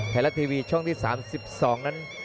ไทยรัฐทีวีช่องที่๓๒นั้น